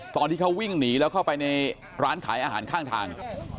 ตอนที่เขาวิ่งหนีแล้วเข้าไปในร้านขายอาหารข้างทาง